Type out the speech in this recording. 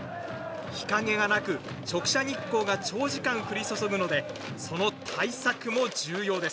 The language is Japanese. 日陰がなく直射日光が長時間、降り注ぐのでその対策も重要です。